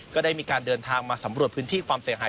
ก็ได้มีการเดินทางมาสำรวจพื้นที่ความเสียหาย